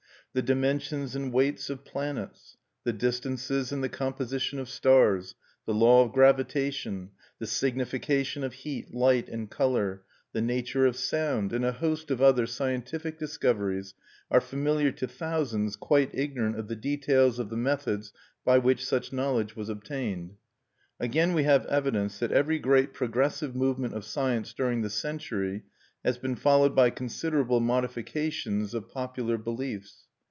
The dimensions and weights of planets; the distances and the composition of stars; the law of gravitation; the signification of heat, light, and color; the nature of sound, and a host of other scientific discoveries, are familiar to thousands quite ignorant of the details of the methods by which such knowledge was obtained. Again we have evidence that every great progressive movement of science during the century has been followed by considerable modifications of popular beliefs.